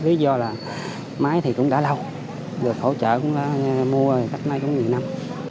lý do là máy thì cũng đã lâu được hỗ trợ cũng là mua cách nay cũng nhiều năm